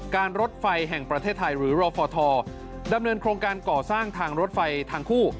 รถไฟแห่งประเทศไทยหรือรฟทดำเนินโครงการก่อสร้างทางรถไฟทางคู่